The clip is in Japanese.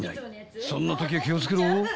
［そんなときは気を付けろ］